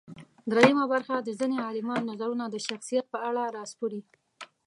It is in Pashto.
درېیمه برخه د ځينې عالمانو نظرونه د شخصیت په اړه راسپړي.